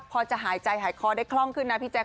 พอจะหายใจหายคอได้คล่องขึ้นนะพี่แจ๊